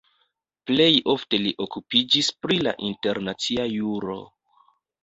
Plej ofte li okupiĝis pri la internacia juro.